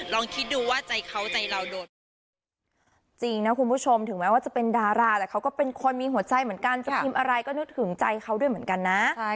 ลองคิดดูว่าใจเขาใจเราโดน